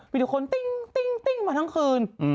มีแต่คนติ้งมาทั้งคืน